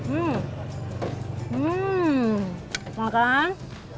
hmm hmm makan